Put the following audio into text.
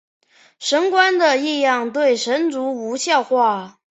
神官的力量对神族无效化。